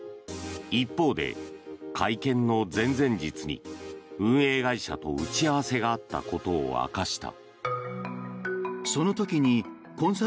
一方で会見の前々日に運営会社と打ち合わせがあったことを明かした。